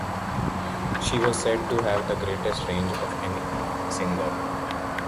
She was said to have the greatest range of any singer.